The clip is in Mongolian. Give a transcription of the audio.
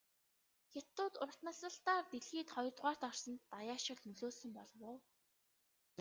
Хятадууд урт наслалтаар дэлхийд хоёрдугаарт орсонд даяаршил нөлөөлсөн болов уу?